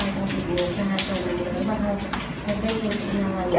เกิ้ลเกิ้ล